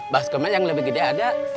baskomen yang lebih gede ada